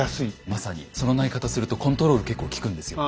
まさにその投げ方するとコントロール結構利くんですよ。